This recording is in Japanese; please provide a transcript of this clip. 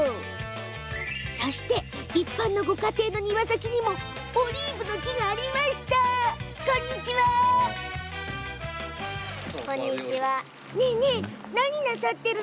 そして、一般家庭の庭先にもオリーブの木がある。